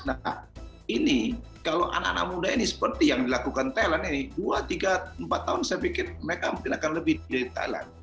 nah ini kalau anak anak muda ini seperti yang dilakukan thailand ini dua tiga empat tahun saya pikir mereka mungkin akan lebih dari thailand